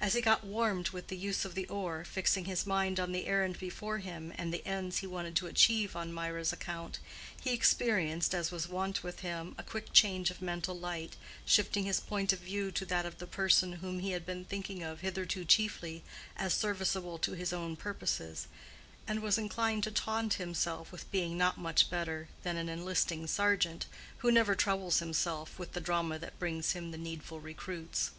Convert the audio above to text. As he got warmed with the use of the oar, fixing his mind on the errand before him and the ends he wanted to achieve on Mirah's account, he experienced, as was wont with him, a quick change of mental light, shifting his point of view to that of the person whom he had been thinking of hitherto chiefly as serviceable to his own purposes, and was inclined to taunt himself with being not much better than an enlisting sergeant, who never troubles himself with the drama that brings him the needful recruits.